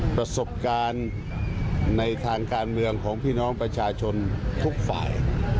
ประสบการณ์ในทางการเมืองของพี่น้องประชาชนทุกฝ่าย